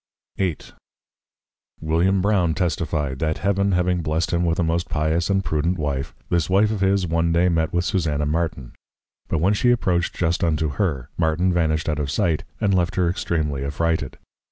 VIII. William Brown testifi'd, That Heaven having blessed him with a most Pious and Prudent Wife, this Wife of his, one day met with Susanna Martin; but when she approach'd just unto her, Martin vanished out of sight, and left her extreamly affrighted.